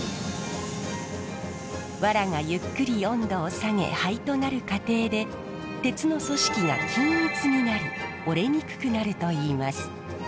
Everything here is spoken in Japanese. ワラがゆっくり温度を下げ灰となる過程で鉄の組織が均一になり折れにくくなるといいます。